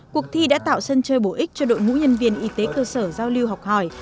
cuộc thi đã tạo sân chơi bổ ích cho đội ngũ nhân viên y tế cơ sở giao lưu học hỏi